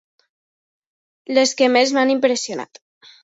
Les que més m'han impressionat.